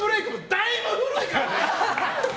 だいぶ古いから。